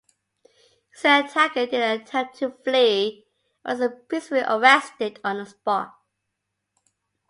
His attacker didn't attempt to flee and was peacefully arrested on the spot.